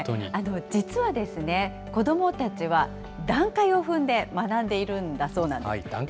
実は、子どもたちは、段階を踏んで学んでいるんだそうなんです。